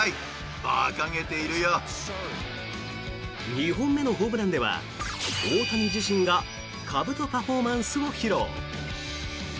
２本目のホームランでは大谷自身がかぶとパフォーマンスを披露。